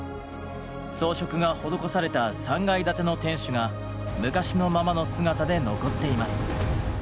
装飾が施された３階建ての天守が昔のままの姿で残っています。